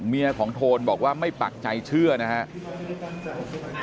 เมียของโทนบอกว่าไม่ปักใจเชื่อนะครับ